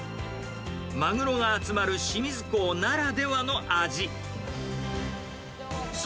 マグロが集まる清水港ならではの味。